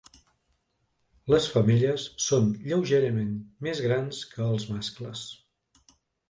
Les femelles són lleugerament més grans que els mascles.